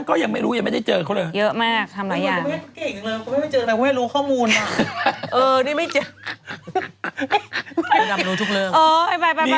ก็ไม่ยุ่งนั่งแอปทั้งวันกูเหนื่อย